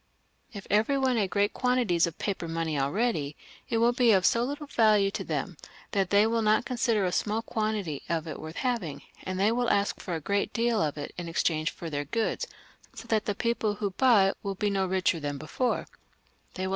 If every one has great quantities of paper money already, it will be of so little value to them, that they will not consider a small quantity of it worth having, and they will ask for a great deal of it in exchange for their goods, so that the people who buy wiU be no richer than before ; they will ha.